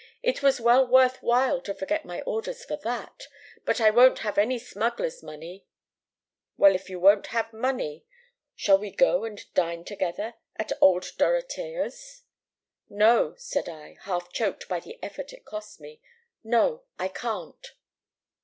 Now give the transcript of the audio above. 'It was well worth while to forget my orders for that! But I won't have any smuggler's money!' "'Well, if you won't have money, shall we go and dine together at old Dorotea's?' "'No,' said I, half choked by the effort it cost me. 'No, I can't.